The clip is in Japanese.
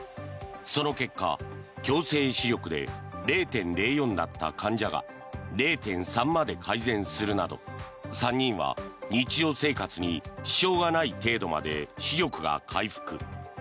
その結果、矯正視力で０．０４だった患者が０．３まで改善するなど、３人は日常生活に支障がない程度まで視力が回復。